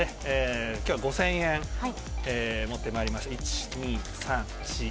今日は５０００円を持ってまいりました。